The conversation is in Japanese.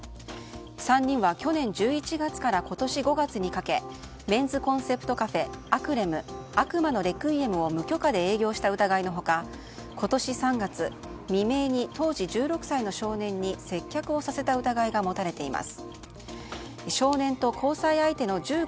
３人は、去年１１月から今年５月にかけメンズコンセプトカフェあくれむ悪魔のレクイエムを無許可で営業した疑いの他今年３月、未明に当時１６歳の少年に接客をさせた疑いが持たれています。